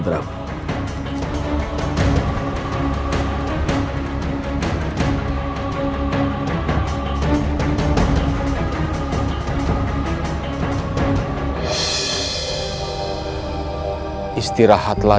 dan aku tidak akan